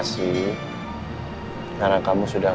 kita bisa boleh tulknown biar kembali